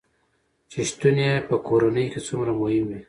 چې شتون يې په کورنے کې څومره مهم وي